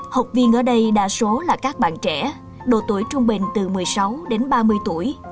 học viên ở đây đa số là các bạn trẻ độ tuổi trung bình từ một mươi sáu đến ba mươi tuổi